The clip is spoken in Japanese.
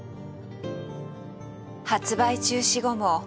発売中止後も日本